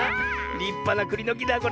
りっぱなくりのきだこれ。